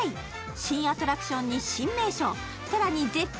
新アトラクションに新名所さらに絶品！